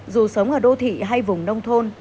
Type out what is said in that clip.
dù sống ở đô thị hay vùng nông thôn